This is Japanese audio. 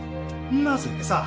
なぜ？さあ。